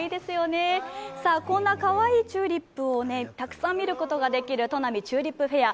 こんなかわいいチューリップをたくさん見ることができるとなみチューリップフェア。